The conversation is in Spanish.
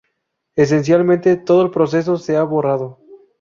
Esencialmente, todo el progreso se ha borrado.